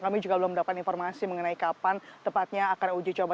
kami juga belum mendapatkan informasi mengenai kapan tepatnya akan uji coba